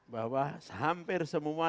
bahwa hampir semua